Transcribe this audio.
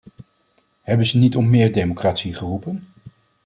Hebben ze niet om meer democratie geroepen?